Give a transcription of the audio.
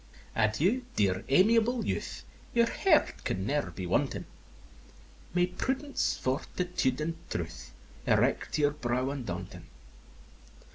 XI. Adieu, dear, amiable youth! Your heart can ne'er be wanting! May prudence, fortitude, and truth Erect your brow undaunting!